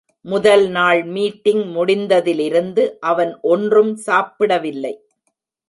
முதல் நாள் மீட்டிங் முடிந்ததிலிருந்து அவன் ஒன்றும் சாப்பிடவில்லை.